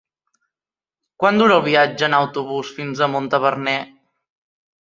Quant dura el viatge en autobús fins a Montaverner?